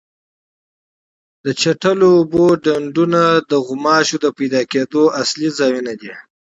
د چټلو اوبو ډنډونه د ماشو د پیدا کېدو اصلي ځایونه دي.